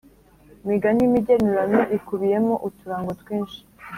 Imigani y’imigenurano ikubiyemo uturango twinshi